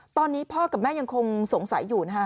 ตอนนี้พ่อกับแม่ยังคงสงสัยอยู่นะคะ